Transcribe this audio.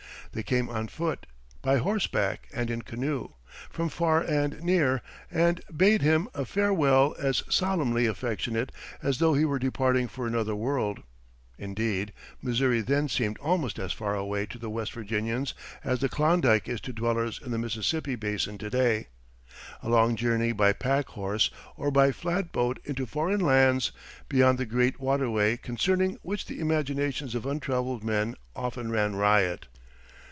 They came on foot, by horseback, and in canoe, from far and near, and bade him a farewell as solemnly affectionate as though he were departing for another world; indeed, Missouri then seemed almost as far away to the West Virginians as the Klondike is to dwellers in the Mississippi basin to day a long journey by packhorse or by flatboat into foreign wilds, beyond the great waterway concerning which the imaginations of untraveled men often ran riot.